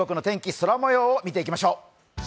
空もようを見ていきましょう。